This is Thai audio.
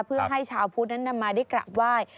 เพื่อให้ชาวพุทธนั้นนำมาได้กราบไหว้